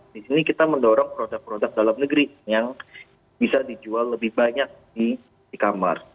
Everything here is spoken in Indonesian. di sini kita mendorong produk produk dalam negeri yang bisa dijual lebih banyak di e commerce